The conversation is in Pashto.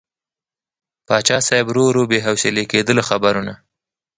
پاچا صاحب ورو ورو بې حوصلې کېده له خبرو نه.